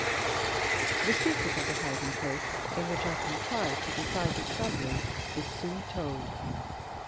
The secret of the hiding place in which I contrived to defy discovery is soon told.